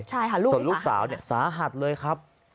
ส่วนลูกสาวสาหัสเลยครับ